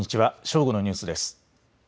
正午のニュースです。